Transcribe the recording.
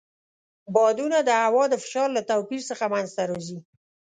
بادونه د هوا د فشار له توپیر څخه منځته راځي.